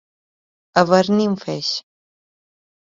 Haver-n'hi un feix.